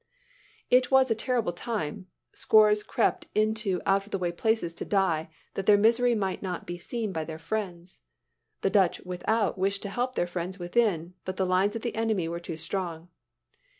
It was a terrible time. Scores crept into out of the way places to die, that their misery might not be seen by their friends. The Dutch without wished to help their friends within but the lines of the enemy were too strong.